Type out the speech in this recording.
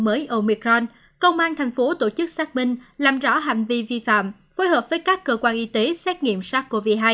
mới omicron công an tp hcm làm rõ hành vi vi phạm phối hợp với các cơ quan y tế xét nghiệm sars cov hai